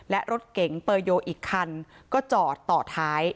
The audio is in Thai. และรถเก๋งเปอร์โยอีกคันก็จอดต่อท้าย